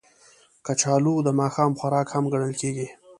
کچالو د ماښام خوراک هم ګڼل کېږي